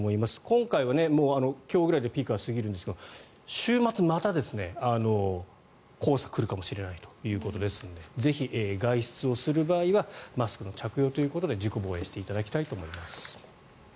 今回は、今日ぐらいでピークは過ぎるんですが週末また、黄砂が来るかもしれないということですのでぜひ、外出をする場合はマスクの着用ということで自己防衛していただきたいと思います。